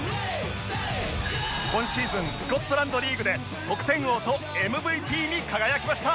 今シーズンスコットランドリーグで得点王と ＭＶＰ に輝きました